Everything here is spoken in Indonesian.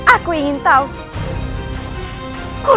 aku ingin tahu